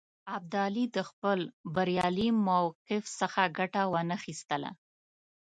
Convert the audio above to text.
ابدالي د خپل بریالي موقف څخه ګټه وانه خیستله.